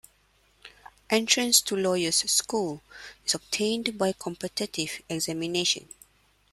Entrance to Lawyer's School is obtained by competitive examination.